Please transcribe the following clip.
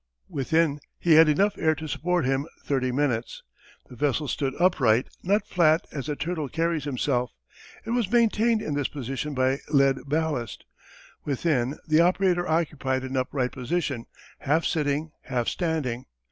Within he had enough air to support him thirty minutes. The vessel stood upright, not flat as a turtle carries himself. It was maintained in this position by lead ballast. Within the operator occupied an upright position, half sitting, half standing.